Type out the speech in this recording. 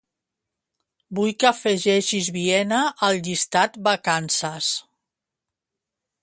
Vull que afegeixis Viena al llistat vacances.